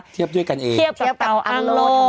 เทียบด้วยกันเองเทียบกับเตาอ้างรถ